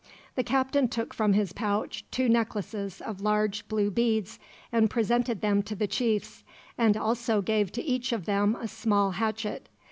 The captain took from his pouch two necklaces of large blue beads, and presented them to the chiefs, and also gave to each of them a small hatchet.